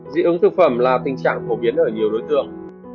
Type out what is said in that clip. dị ứng thực phẩm là tình trạng phổ biến ở nhiều đối tượng